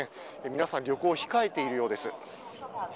皆さん旅行を控えているようです。